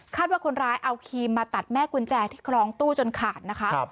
ว่าคนร้ายเอาครีมมาตัดแม่กุญแจที่คล้องตู้จนขาดนะคะ